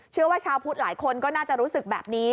ชาวพุทธหลายคนก็น่าจะรู้สึกแบบนี้